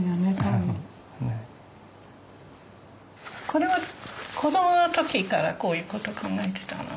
これは子どもの時からこういう事考えてたの？